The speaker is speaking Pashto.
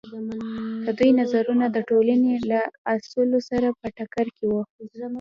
د دوی نظرونه د ټولنې له اصولو سره په ټکر کې وو.